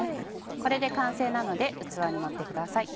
これで完成なので器に盛ってください。